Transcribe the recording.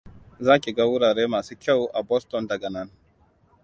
Za ki ga wurare masu kyau a Bostom daga nan.